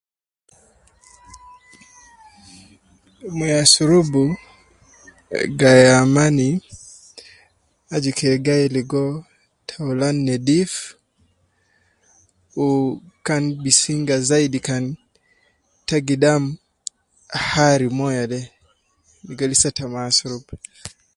Moyo asurubu gai amani ,aju kede gai ligo taulan nedif, wu kan bi singa zaidi kan ta gidam hari moyo de ligo lisa ta ma asurub